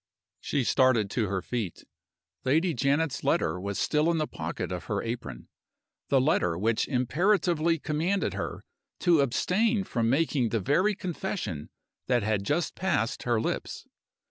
She started to her feet. Lady Janet's letter was still in the pocket of her apron the letter which imperatively commanded her to abstain from making the very confession that had just passed her lips!